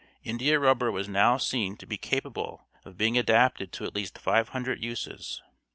India rubber was now seen to be capable of being adapted to at least five hundred uses.